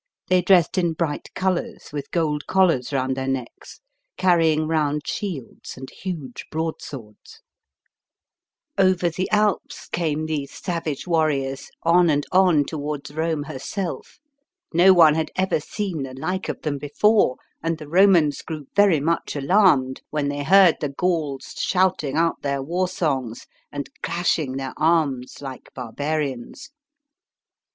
They dressed in bright colours, with gold collars round their necks, carrying round shields and huge broadswords. * Over the Alps came these savage warriors, on 152 THE GAULS IN HOME. [B.C. 390. and on towards Rome herself. No one had ever seen the like of them jbefore, and the Romans grew very much alarmed, when they heard the Gauls shouting out their war songs and clashing their arms like barbarians.